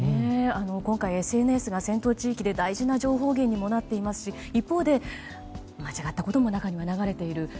今回、ＳＮＳが戦闘地域で大事な情報源になっていますし一方で間違ったことも中には流れている。